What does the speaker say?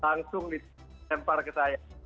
langsung ditempar ke saya